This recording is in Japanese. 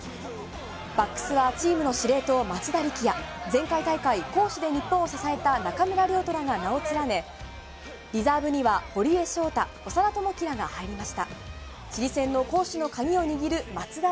バックスはチームの司令塔・松田力也、前回大会、攻守で日本を支えた中村亮土などが名を連ね、リザーブには堀江翔太、長田智希らが入りました。